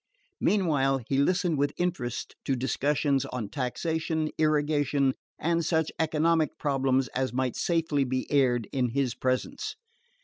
Meanwhile he listened with interest to discussions on taxation, irrigation, and such economic problems as might safely be aired in his presence.